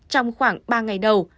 trong khoảng ba ngày đầu